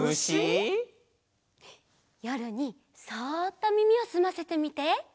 よるにそっとみみをすませてみて。